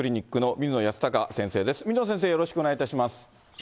水野先生、よろしくお願いいたします。